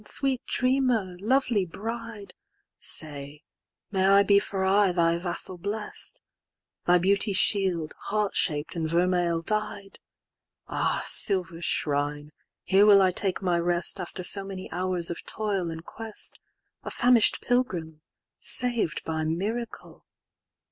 sweet dreamer! lovely bride!"Say, may I be for aye thy vassal blest?"Thy beauty's shield, heart shap'd and vermeil dyed?"Ah, silver shrine, here will I take my rest"After so many hours of toil and quest,"A famish'd pilgrim,—saved by miracle.